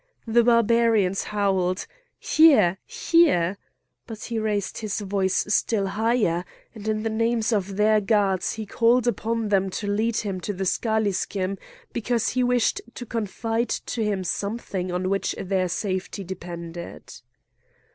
The Barbarians howled: "Here! here!" But he raised his voice still higher; and in the names of their gods he called upon them to lead him to the schalischim, because he wished to confide to him something on which their safety depended.